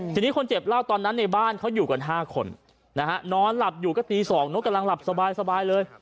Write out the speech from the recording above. ทีนี้คนเจ็บเล่าตอนนั้นในบ้านเขาอยู่กัน๕คนนะฮะนอนหลับอยู่ก็ตี๒นกกำลังหลับสบายเลย